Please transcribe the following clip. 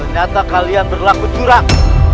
ternyata kalian berlaku curang